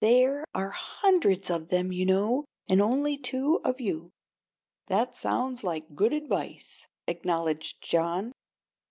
There are hundreds of them, you know, and only two of you." "That sounds like good advice," acknowledged John.